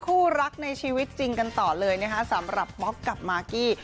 คู่รักในชีวิตจริงกันต่อเลยนะคะสำหรับป๊อกกับมากกี้